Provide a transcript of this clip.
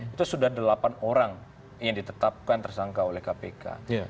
itu sudah delapan orang yang ditetapkan tersangka oleh kpk